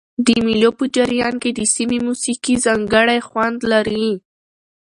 د مېلو په جریان کښي د سیمي موسیقي ځانګړی خوند لري.